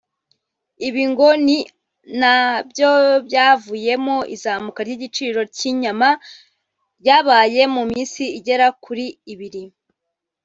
Ibi ngo ni na byo byavuyemo izamuka ry’igiciro cy’inyama ryabaye mu minsi igera kuri ibiri